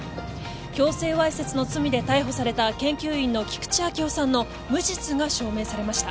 強制わいせつの罪で逮捕された研究員の菊池章雄さんの無実が証明されました